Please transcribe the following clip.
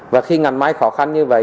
và khi ngành may khó khăn như vậy